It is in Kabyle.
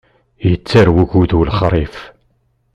Yettarew ugudu lexṛif.